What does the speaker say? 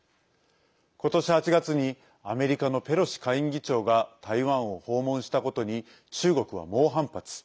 今年８月にアメリカのペロシ下院議長が台湾を訪問したことに中国は猛反発。